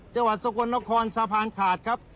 จังหวัดสกลนครสะพานขาดครับ